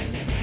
oh mbak be